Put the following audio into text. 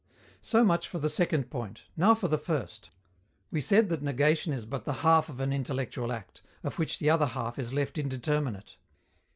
So much for the second point; now for the first. We said that negation is but the half of an intellectual act, of which the other half is left indeterminate.